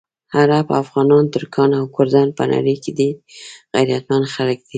عرب، افغانان، ترکان او کردان په نړۍ ډېر غیرتمند خلک دي.